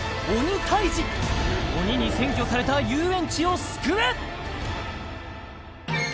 鬼に占拠された遊園地を救え！